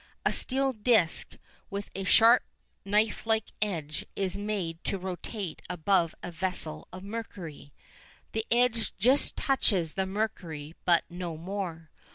A steel disc with a sharp knife like edge is made to rotate above a vessel of mercury. The edge just touches the mercury but no more.